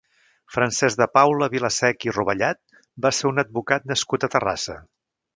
Francesc de Paula Vilaseca i Rovellat va ser un advocat nascut a Terrassa.